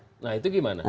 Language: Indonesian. nah itu bagaimana